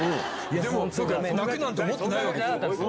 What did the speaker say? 泣くなんて思ってないわけでしょ？